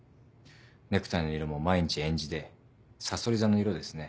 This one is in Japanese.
ネクタイの色も毎日えんじでさそり座の色ですね。